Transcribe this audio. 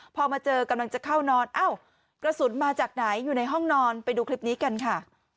พอมาเจอกำลังจะเข้านอนเอ้ากระสุนมาจากไหนอยู่ในห้องนอนไปดูคลิปนี้กันค่ะ